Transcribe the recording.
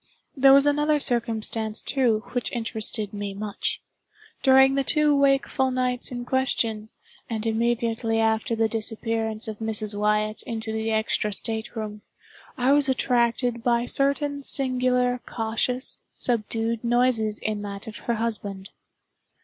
There was another circumstance, too, which interested me much. During the two wakeful nights in question, and immediately after the disappearance of Mrs. Wyatt into the extra state room, I was attracted by certain singular cautious, subdued noises in that of her husband.